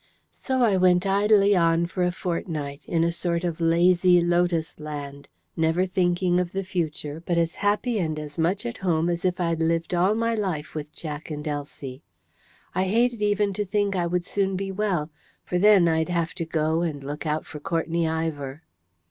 So I went idly on for a fortnight, in a sort of lazy lotus land, never thinking of the future, but as happy and as much at home as if I'd lived all my life with Jack and Elsie. I hated even to think I would soon be well; for then I'd have to go and look out for Courtenay Ivor.